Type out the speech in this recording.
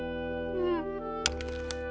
うん。